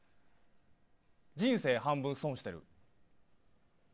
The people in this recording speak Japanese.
人生半分損してる。